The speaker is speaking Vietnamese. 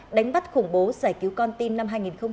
đánh bắt khủng bố giải cứu con tim năm hai nghìn một mươi bảy